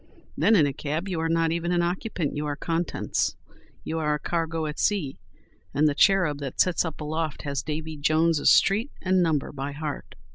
Then, in a cab, you are not even an occupant; you are contents. You are a cargo at sea, and the "cherub that sits up aloft" has Davy Jones's street and number by heart.